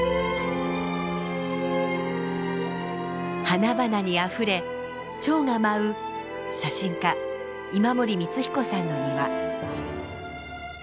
花々にあふれチョウが舞う写真家今森光彦さんの庭。